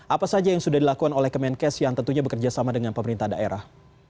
apa saja yang sudah dilakukan oleh kemenkes yang tentunya bekerja sama dengan pemerintah daerah